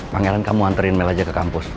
pangeran kamu anterin mel aja ke kampus